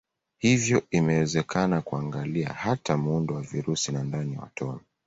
Hivyo inawezekana kuangalia hata muundo wa virusi na ndani ya atomi.